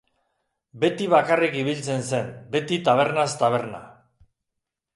Beti bakarrik ibiltzen zen, beti tabernaz taberna.